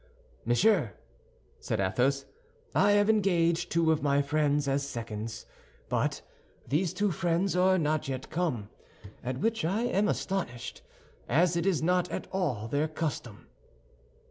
"Monsieur," said Athos, "I have engaged two of my friends as seconds; but these two friends are not yet come, at which I am astonished, as it is not at all their custom."